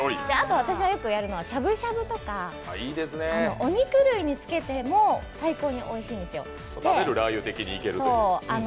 あと私がよくやるのは、しゃぶしゃぶとか、お肉類につけても最高においしいんですよ。